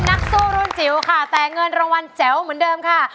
นักสู้รุ่นจิ๋วค่ะแต่เงินรางวัลแจ๋วเหมือนเดิมค่ะ